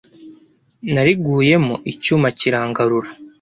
nari guyemo icyuma kirangarura